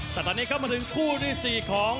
แต่ตอนนี้เข้ามาถึงคู่ที่๔ของ